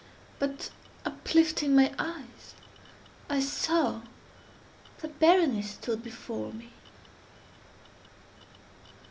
But, uplifting my eyes, I saw that Berenice stood before me.